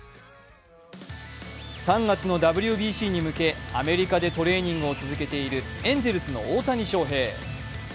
３月のＷＢＣに向けアメリカでトレーニングを続けているエンゼルスの大谷翔平。